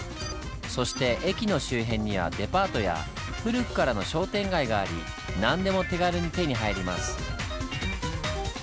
そして駅の周辺にはデパートや古くからの商店街があり何でも手軽に手に入ります。